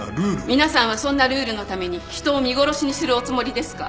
皆さんはそんなルールのために人を見殺しにするおつもりですか？